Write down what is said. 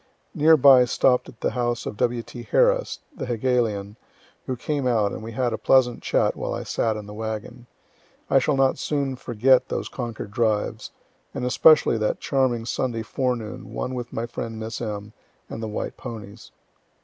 Near by stopp'd at the house of W.T. Harris, the Hegelian, who came out, and we had a pleasant chat while I sat in the wagon. I shall not soon forget those Concord drives, and especially that charming Sunday forenoon one with my friend Miss M., and the white ponies.